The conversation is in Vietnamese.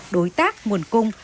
đối tác nguồn cung